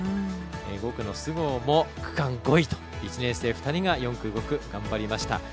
５区の須郷も区間５位と１年生２人が４区、５区、頑張りました。